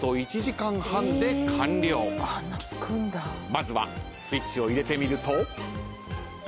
まずはスイッチを入れてみると。